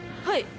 はい。